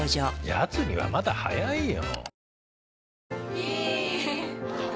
やつにはまだ早いよ。